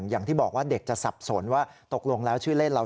อย่างที่บอกว่าเด็กจะสับสนว่าตกลงแล้วชื่อเล่นเรา